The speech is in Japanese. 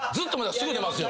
すぐ出ますよ。